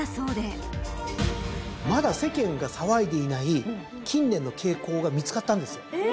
まだ世間が騒いでいない近年の傾向が見つかったんですよ。